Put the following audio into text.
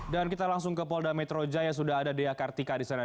dan kita langsung ke polda metro jaya sudah ada dea kartika di sana